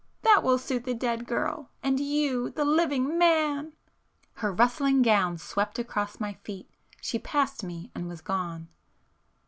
That will suit the dead girl,—and you, the living man!" Her rustling gown swept across my feet,—she passed me and was gone.